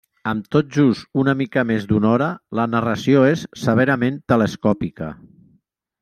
Amb tot just una mica més d'una hora, la narració és severament telescòpica.